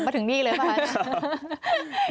มาถึงนี่เลยป่ะ